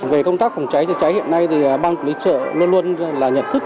về công tác phòng cháy chữa cháy hiện nay thì ban quản lý trợ luôn luôn nhận thức